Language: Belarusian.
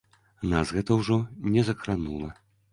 Нас гэта ўжо не закранула.